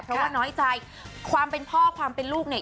เพราะว่าน้อยใจความเป็นพ่อความเป็นลูกเนี่ย